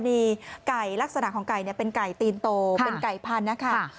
มีไก่ลักษณะของไก่เป็นไก่ตีนโตเป็นไก่พันธุ์นะคะ